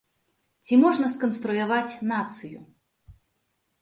Ці можна сканструяваць нацыю?